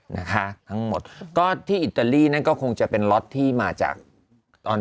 นะคะทั้งหมดก็ที่อิตาลีนั่นก็คงจะเป็นล็อตที่มาจากตอน